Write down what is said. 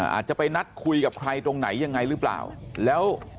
อาจจะไปนัดคุยกับใครตรงไหนยังไงหรือเปล่าแล้ว